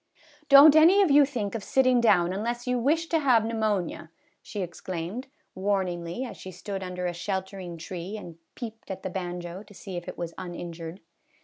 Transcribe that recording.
" Don't any of you think of sitting down unless you wish to have pneumonia," she exclaimed, warn ingly, as she stood under a sheltering tree and peeped at the banjo to see if it was injured.